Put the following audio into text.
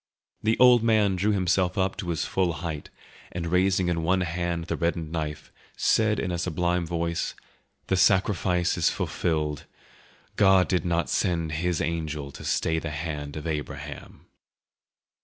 The old man drew himself up to his full height, and raising in one hand the reddened knife, said in a sublime voice, "The sacrifice is fulfilled. God did not send His angel to stay the hand of Abraham."